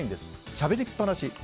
しゃべりっぱなし。